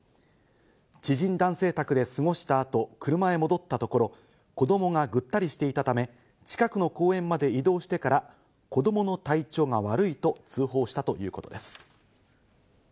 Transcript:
知人男性宅で過ごした後、車へ戻ったところ、子供がぐったりしていたため、近くの公園まで移動してから子供の体調が悪いと通報したということです。